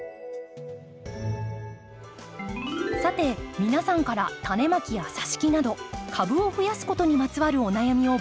さて皆さんから種まきやさし木など株をふやすことにまつわるお悩みを募集します。